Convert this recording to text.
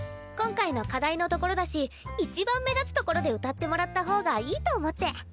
今回の課題のところだし一番目立つところで歌ってもらった方がいいと思って。